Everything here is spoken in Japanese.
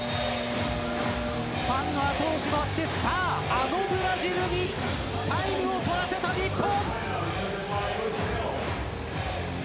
ファンの後押しもあってあのブラジルにタイムを取らせた日本。